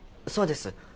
そうです。